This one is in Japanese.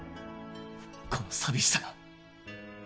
この寂しさが